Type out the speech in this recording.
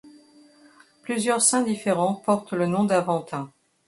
Plusieurs saints différents portent le nom d’Aventin.